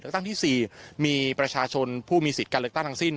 ตั้งที่๔มีประชาชนผู้มีสิทธิ์การเลือกตั้งทั้งสิ้น